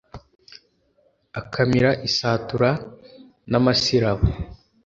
Akamira isatura n'amasirabo,